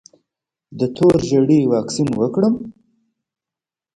د تور ژیړي واکسین وکړم؟